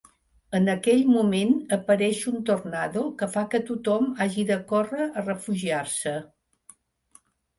En aquell moment apareix un tornado que fa que tothom hagi de córrer a refugiar-se.